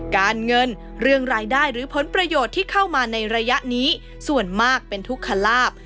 การเงินเรื่องรายได้หรือผลประโยชน์ที่เข้ามาในระยะนี้ส่วนมากเป็นทุกขลาบ